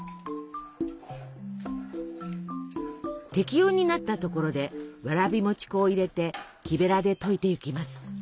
適温になったところでわらび餅粉を入れて木べらで溶いていきます。